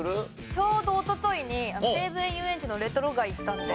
ちょうどおとといに西武園ゆうえんちのレトロ街行ったので。